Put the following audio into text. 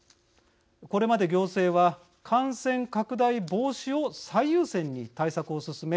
これまで行政は、感染拡大防止を最優先に対策を進め